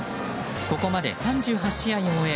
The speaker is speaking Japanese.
ここまで３８試合を終え